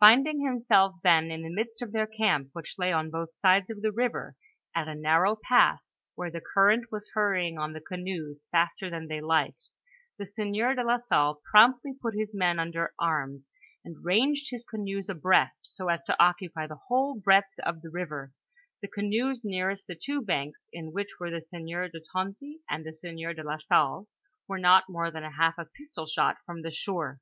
Finding himself then in the midst of their camp, which lay on both sides of the river, at a narrow pass, where the current was hurrying on the canoes faster than they liked, the sieur de la Salle promptly put his men under arms, and ranged his canoes abreast so as to occupy the whole breadth of the river, the canoes nearest the two banks, in which were the sieur de Tonty, and the sieur de la Salle, were not more than half a pistol shot from the shore.